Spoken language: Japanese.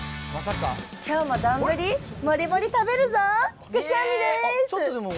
きょうも丼もりもり食べるぞ、菊地亜美です。